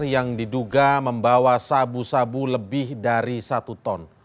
yang diduga membawa sabu sabu lebih dari satu ton